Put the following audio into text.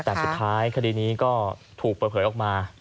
แต่สุดท้ายคดีนี้ก็ถูกเปิดเผยออกมา